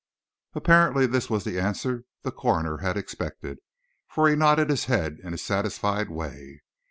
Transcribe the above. Apparently this was the answer the coroner had expected, for he nodded his head in a satisfied way.